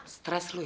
stres lu ya